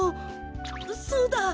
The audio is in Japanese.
そうだ！